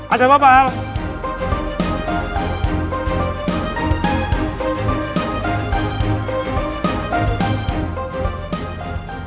ada apa pak